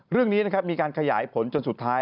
เรื่องนี้มีการขยายผลจนสุดท้าย